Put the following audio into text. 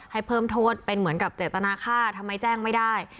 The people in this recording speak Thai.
ให้เพิ่มโทษเป็นเหมือนกับเจตนาค่าทำไมแจ้งไม่ได้